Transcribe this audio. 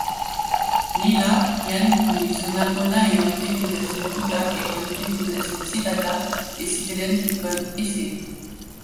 ni la jan li sona pona e ante pi nasin Puta e ante pi nasin Sitata e sitelen pi kon Ese.